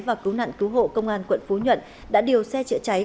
và cứu nạn cứu hộ công an quận phú nhuận đã điều xe chữa cháy